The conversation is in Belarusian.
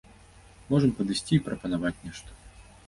Можам падысці і прапанаваць нешта.